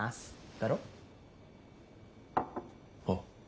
だろ？ああ。